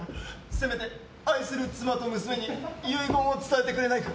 せめて、愛する妻と娘に遺言を伝えてくれないか。